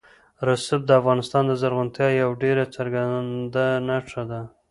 رسوب د افغانستان د زرغونتیا یوه ډېره څرګنده نښه ده.